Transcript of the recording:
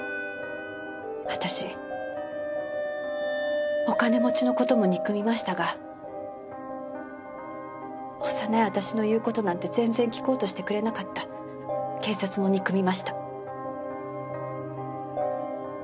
私お金持ちの事も憎みましたが幼い私の言う事なんて全然聞こうとしてくれなかった警察も憎みました。